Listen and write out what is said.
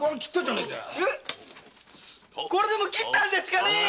これでも切ったんですかねぇ。